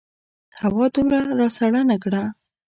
هوا دومره راسړه نه کړه.